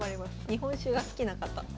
日本酒が好きな方。